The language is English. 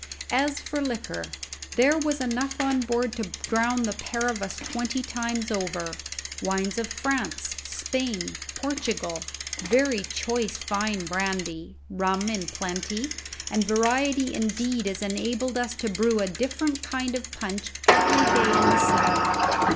As for liquor, there was enough on board to drown the pair of us twenty times over: wines of France, Spain, Portugal, very choice fine brandy, rum in plenty, such variety indeed as enabled us to brew a different kind of punch every day in the seven.